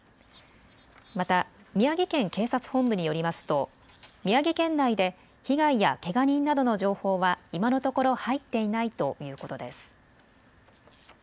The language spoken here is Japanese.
また宮城県警察本部によりますと宮城県内で被害やけが人などの情報は今のところ入っていないということです。